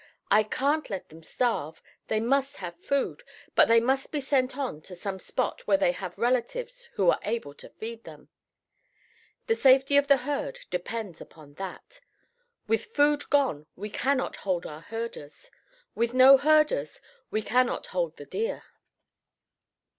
I can't let them starve. They must have food, but they must be sent on to some spot where they have relatives who are able to feed them. The safety of the herd depends upon that. With food gone we cannot hold our herders. With no herders we cannot hold the deer.